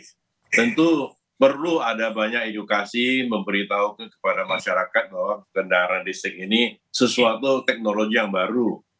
tentu perlu ada banyak edukasi memberitahukan kepada masyarakat bahwa kendaraan listrik ini sesuatu teknologi yang baru